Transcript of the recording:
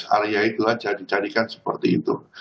area itu aja dicarikan seperti itu